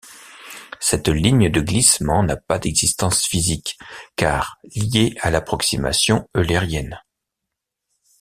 Cette ligne de glissement n'a pas d'existence physique car liée à l'approximation eulérienne.